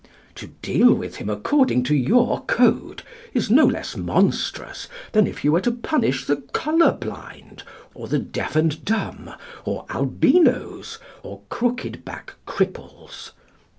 To deal with him according to your code is no less monstrous than if you were to punish the colour blind, or the deaf and dumb, or albinoes, or crooked back cripples.